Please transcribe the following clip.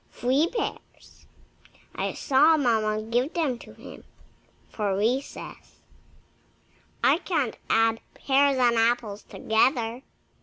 Three pears I saw Mamma give them to him for recess. I can't add pears and apples together."